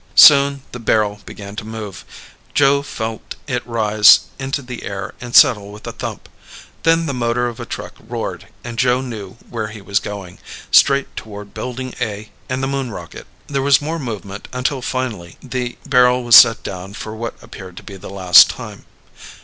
Soon the barrel began to move. Joe felt it rise into the air and settle with a thump. Then the motor of a truck roared and Joe knew where he was going. Straight toward Building A and the Moon rocket. There was more movement until finally the barrel was set down for what appeared to be the last time.